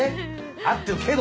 合ってるけど！